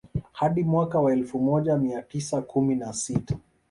Hadi mwaka wa elfu moja mia tisa kumi na sita